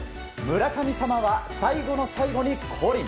村神様は最後の最後に降臨。